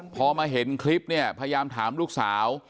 พอมาเห็นคลิปเนี่ยพยายามถามลูกสาว